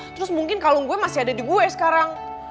terus mungkin kalung gue masih ada di gue sekarang